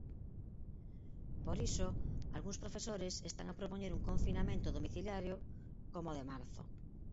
Por iso, algúns profesores están a propoñer un confinamento domiciliario, coma o de marzo.